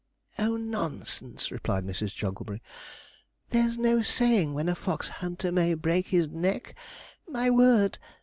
'Oh, nonsense,' replied Mrs. Jogglebury; 'there's no saying when a fox hunter may break his neck. My word!